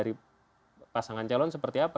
dari pasangan calon seperti apa